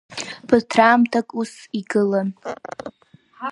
Ԥыҭраамҭак ус игылан.